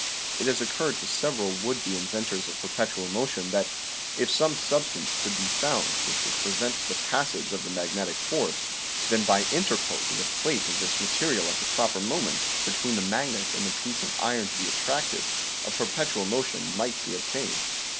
It has occurred to several would be inventors of perpet ual motion that if some substance could be found which would prevent the passage of the magnetic force, then by interposing a plate of this material at the proper moment, PERPETUAL MOTION 63 between the magnet and the piece of iron to be attracted, a perpetual motion might be obtained.